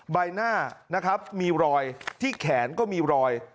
ใบหน้านะครับมีรอยที่แขนก็มีรอย